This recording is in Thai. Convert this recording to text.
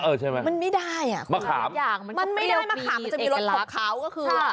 มันไม่ได้มะขามมันไม่ได้มะขามมันจะมีรสหกเขา